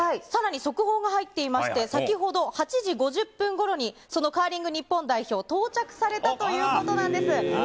さらに、速報が入っていまして、先ほど８時５０分ごろに、そのカーリング日本代表、到着されたということなんです。